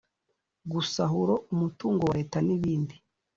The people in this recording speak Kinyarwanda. gusahura umutungo wa leta n’ibindi